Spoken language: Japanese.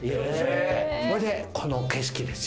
それで、この景色ですよ。